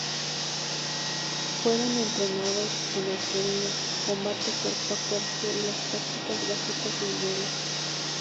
Fueron entrenados en arquería, combate cuerpo a cuerpo y las tácticas básicas lineales.